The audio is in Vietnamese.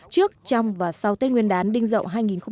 trước trong và sau tết nguyên đán đình dậu